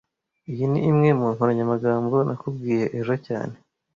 Iyi ni imwe mu nkoranyamagambo nakubwiye ejo cyane